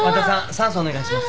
酸素お願いします。